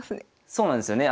そうなんですよね。